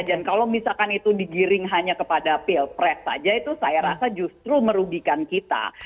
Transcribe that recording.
dan kalau misalkan itu digiring hanya kepada pilpres saja itu saya rasa justru merugikan kita